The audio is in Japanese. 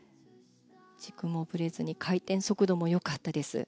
軸もぶれずに回転速度もよかったです。